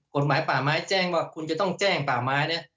กฎหมายป่าไม้แจ้งว่าคุณจะต้องแจ้งป่าไม้เนี่ย